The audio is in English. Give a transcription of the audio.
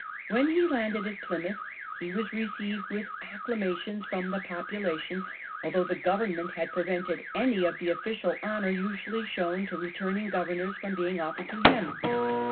"When he landed at Plymouth, he was received with acclamations by the population, although the Government had prevented any of the official honour usually shown to returning governors from being offered to him.